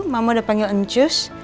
mama udah panggil uncus